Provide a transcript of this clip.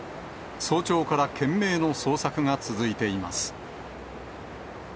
早朝から懸命の捜索が続いています。